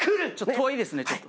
遠いですねちょっと。